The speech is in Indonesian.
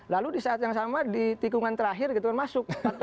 lalu di saat yang sama di tikungan terakhir gitu kan masuk